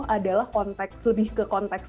adalah konteks lebih ke konteks